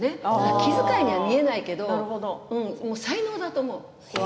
気遣いには見えないけど才能だと思う。